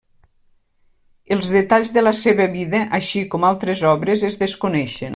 Els detalls de la seva vida així com altres obres, es desconeixen.